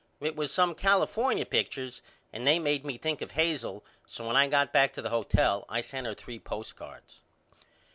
It was some California pictures and they made me think of Hazel so when I got back to the hotel I sent her three postcards.